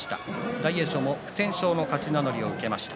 大栄翔も不戦勝の勝ち名乗りを受けました。